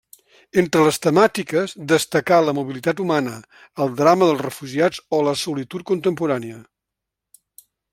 Entre les temàtiques, destacà la mobilitat humana, el drama dels refugiats o la solitud contemporània.